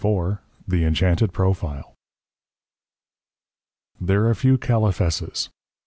IV THE ENCHANTED PROFILE There are few Caliphesses.